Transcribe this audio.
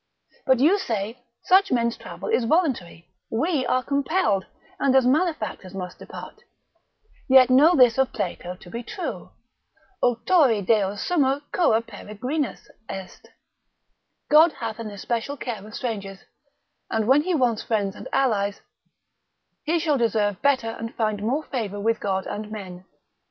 But you say such men's travel is voluntary; we are compelled, and as malefactors must depart; yet know this of Plato to be true, ultori Deo summa cura peregrinus est, God hath an especial care of strangers, and when he wants friends and allies, he shall deserve better and find more favour with God and men.